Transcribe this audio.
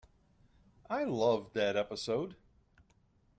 I loved that episode!